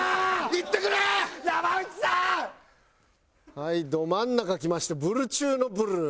はいド真ん中きましてブル中のブル。